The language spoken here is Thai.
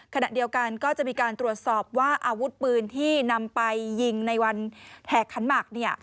ขณะเดียวกันก็จะมีการตรวจสอบว่าอาวุธปืนที่นำไปยิงในวันแห่ขันหมักเนี่ย